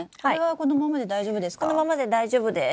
このままで大丈夫です。